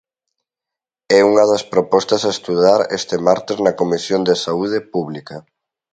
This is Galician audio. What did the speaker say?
É unha das propostas a estudar este martes na Comisión de Saúde Pública.